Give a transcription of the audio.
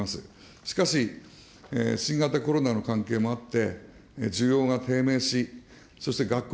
しかし、新型コロナの関係もあって、需要が低迷し、そして学校